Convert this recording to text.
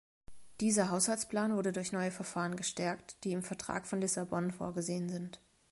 Dieser Haushaltsplan wurde durch neue Verfahren gestärkt, die im Vertrag von Lissabon vorgesehen sind.